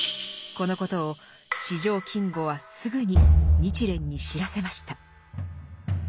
このことを四条金吾はすぐに日蓮に知らせました。